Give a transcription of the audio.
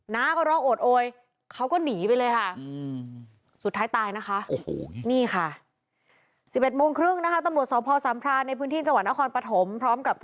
น้าก็ร้องโอดโอยเขาก็หนีไปเลยค่ะ